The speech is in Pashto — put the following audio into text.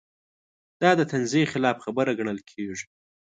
دا د تنزیې خلاف خبره ګڼل کېږي.